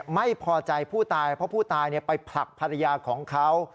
ไม่พอใจผู้ตายเพราะผู้ตายไปผลักภรรยาของเขา